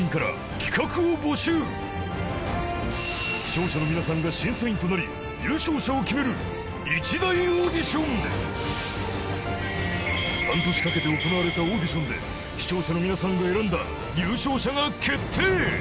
視聴者の皆さんが審査員となり優勝者を決める一大オーディション半年かけて行われたオーディションで視聴者の皆さんが選んだ優勝者が決定！